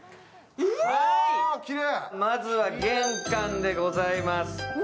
まずは玄関でございます。